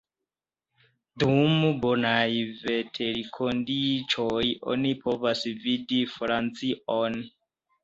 Dum bonaj veterkondiĉoj oni povas vidi Francion.